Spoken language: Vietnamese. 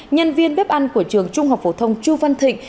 nhân viên bếp ăn của trường trung học phổ thông chu văn thịnh